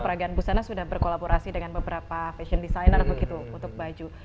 peragaan busana sudah berkolaborasi dengan beberapa fashion designer begitu untuk baju